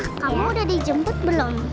eh johana kamu udah dijemput belum